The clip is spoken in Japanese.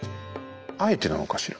あえてなのかしら？